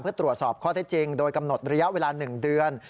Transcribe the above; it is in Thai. เพื่อตรวจสอบข้อเท็จจริงโดยกำหนดระยะเวลา๑เดือน